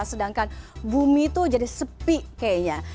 sedangkan bumi itu jadi sepi kayaknya